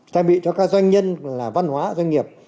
trang bị cho các doanh nhân là văn hóa doanh nghiệp